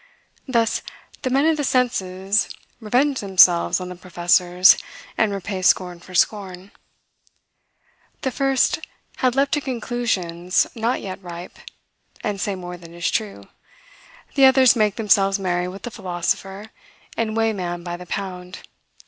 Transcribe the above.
Thus, the men of the senses revenge themselves on the professors, and repay scorn for scorn. The first had leaped to conclusions not yet ripe, and say more than is true; the others make themselves merry with the philosopher, and weigh man by the pound.